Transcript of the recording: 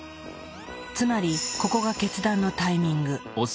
つまりここが決断のタイミング。